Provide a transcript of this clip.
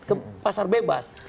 ke pasar bebas